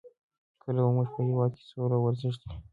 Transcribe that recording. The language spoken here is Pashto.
کله به زموږ په هېواد کې سوله او ورزش وي؟